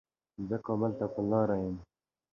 زه کابل ته په لاره يم